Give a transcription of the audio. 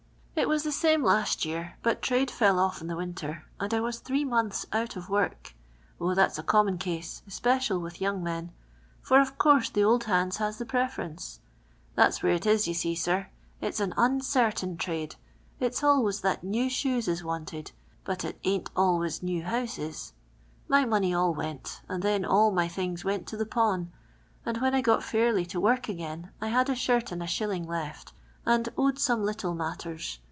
It was the same last year, but trade fell off in the winter, and I was three months out of work. 0, that 's a common case, especial with ycur.g men, for of course the old hands has the preference. That's where it is, you see, sir; it's a vnnrlain trade. It's always that new shoes is wanted, but it ain't always new houses. My money sll went, ' and then all my things went to the pawn, and when I got faiily to work a^ain, I had a shirt and a shilling lelt, nnd owed some little matters.